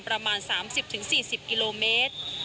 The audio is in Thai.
ประมาณ๓๐๔๐กิโลเมตร